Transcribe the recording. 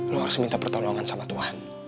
lo harus minta pertolongan sama tuhan